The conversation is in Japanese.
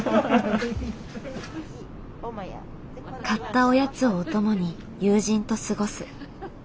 買ったおやつをお供に友人と過ごす。